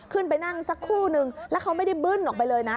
ขึ้นไปนั่งสักคู่นึงแล้วเขาไม่ได้บึ้นออกไปเลยนะ